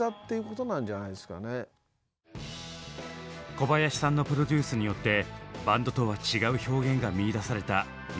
小林さんのプロデュースによってバンドとは違う表現が見いだされた宮本さん。